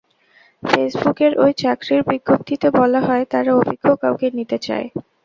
ফেসবুকের ওই চাকরির বিজ্ঞপ্তিতে বলা হয়, তাঁরা অভিজ্ঞ কাউকে নিতে চায়।